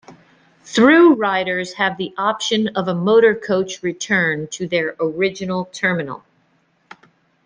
Through riders have the option of a motor coach return to their original terminal.